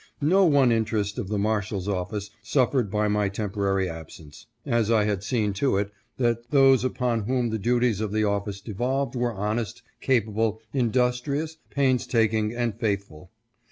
No one interest of the Marshal's office suffered by my temporary absence, as I had seen to it that those upon whom the duties of the office devolved were honest, capable, industrious, painstaking, and faithful.